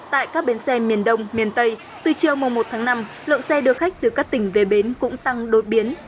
tại các bến xe miền đông miền tây từ chiều một tháng năm lượng xe đưa khách từ các tỉnh về bến cũng tăng đột biến